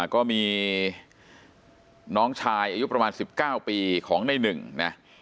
ก็มีน้องชายอายุประมาณ๑๙ปีของในหนึ่งนะ